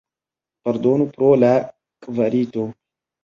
Pardonu pro la kvalito.